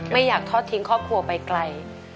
ไม่อยากทอดทิ้งครอบครัวไปไกล